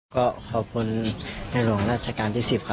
ขอขอบคุณในหลวงรัชกาลที่๑๐